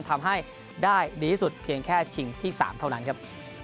ทำให้ได้ดีที่สุดเพียงแค่ชิงที่๓เท่านั้นครับ